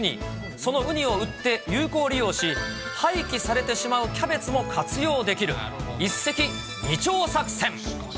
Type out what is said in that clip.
そのウニを売って有効利用し、廃棄されてしまうキャベツも活用できる、一石二鳥作戦。